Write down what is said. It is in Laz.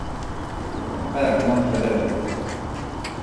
Aya gomanç̌eleren.